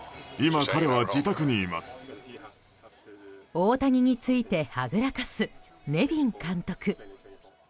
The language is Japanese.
大谷についてはぐらかすネビン監督。